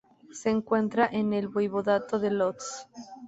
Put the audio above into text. Se encuentra en el voivodato de Łódź.